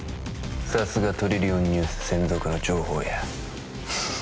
さすがトリリオンニュース専属の情報屋